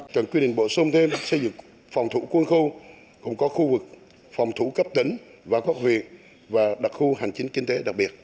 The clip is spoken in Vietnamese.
chẳng quy định bổ sung thêm xây dựng phòng thủ quân khu không có khu vực phòng thủ cấp tính và góp huyện và đặc khu hành chính kinh tế đặc biệt